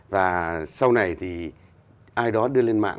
và sau này thì ai đó đưa lên mạng